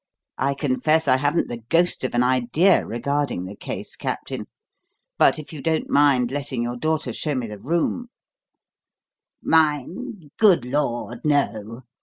I confess I haven't the ghost of an idea regarding the case, Captain; but if you don't mind letting your daughter show me the room " "Mind? Good Lord, no!"